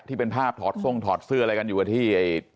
ที่เป็นภาพถอดทรงถอดเสื้ออะไรกันอยู่กับที่